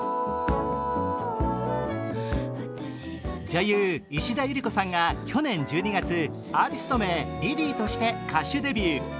女優・石田ゆり子さんが去年１２月、アーティスト名・ｌｉｌｙとして歌手デビュー。